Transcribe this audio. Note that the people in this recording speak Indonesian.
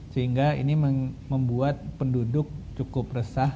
sehingga ini membuat penduduk cukup resah